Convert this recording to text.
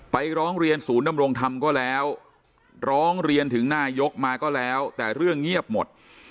ร้องเรียนศูนย์ดำรงธรรมก็แล้วร้องเรียนถึงนายกมาก็แล้วแต่เรื่องเงียบหมด